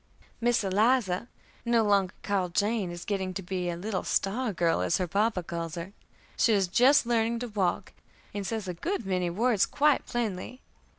Miss Eliza, no longer called Jane, is getting to be a little 'star girl,' as her Papa calls her; she is just learning to walk, and says a good many words quite plainly.